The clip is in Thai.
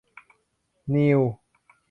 นีล